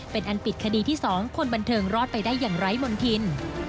เป็นอันปิดคดีที่๒คนบันเทิงรอดไปได้อย่างไร้มนธิน